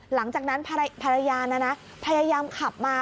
หลังจากนั้นภรรยานะนะพยายามขับมา